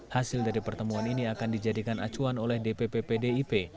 hasil dari pertemuan ini akan dijadikan acuan oleh dpp pdip